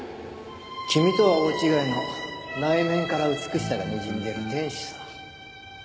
君とは大違いの内面から美しさがにじみ出る天使さ。